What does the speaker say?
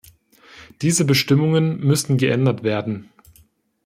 Diese Bestimmungen müssen geändert werden.